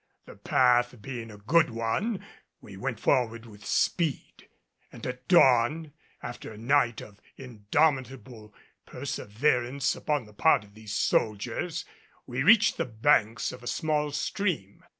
The path being a good one we went forward with speed; and at dawn, after a night of indomitable perseverance upon the part of these soldiers, we reached the banks of a small stream.